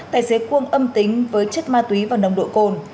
tài xế cuông âm tính với chất ma túy và nồng độ cồn